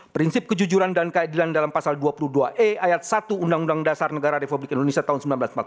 prinsip kejujuran dan keadilan dalam pasal dua puluh dua e ayat satu undang undang dasar negara republik indonesia tahun seribu sembilan ratus empat puluh lima